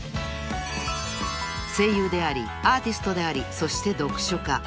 ［声優でありアーティストでありそして読書家］